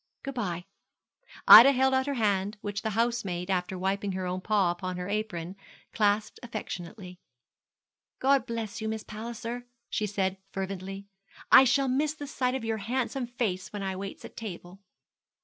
Good bye.' Ida held out her hand, which the housemaid, after wiping her own paw upon her apron, clasped affectionately. 'God bless you, Miss Palliser,' she said fervently; 'I shall miss the sight of your handsome face when I waits at table.'